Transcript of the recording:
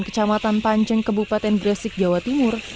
kecamatan panceng kebupaten gresik jawa timur